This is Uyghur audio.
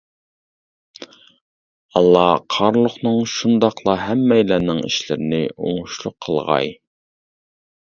ئاللا قارلۇقنىڭ شۇنداقلا ھەممەيلەننىڭ ئىشلىرىنى ئوڭۇشلۇق قىلغاي.